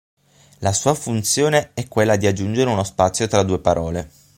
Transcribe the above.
La sua funzione è quella di aggiungere uno spazio tra due parole.